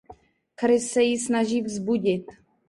Chris se jí snaží vzbudit.